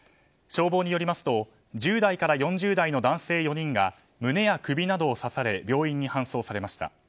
消防によりますと１０代から４０代の男性４人が胸や首などを刺され病院に搬送されました。